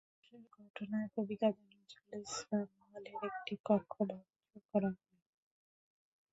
সংঘর্ষের ঘটনায় কবি কাজী নজরুল ইসলাম হলের একটি কক্ষ ভাঙচুর করা হয়।